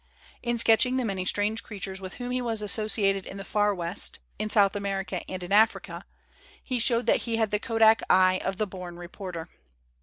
In sketching the many strange creatures with whom he was associated in the Far West, in South America and in Africa, he showed that he had the kodak eye of the born reporter.